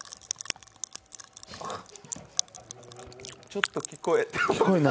ちょっと聞こえた。